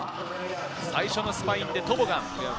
最初のスパインでトボガン。